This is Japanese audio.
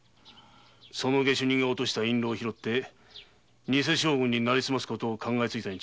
その下手人が落とした印ろう拾って偽将軍になりすます事を考えついたのだ。